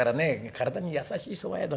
体に優しいそば屋だ。